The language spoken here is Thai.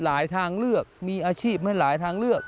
ทางเลือกมีอาชีพให้หลายทางเลือก